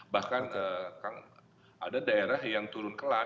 bahkan ada daerah yang turun kelas